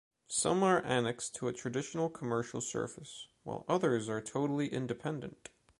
Some are annexed to a traditional commercial surface, while others are totally independent.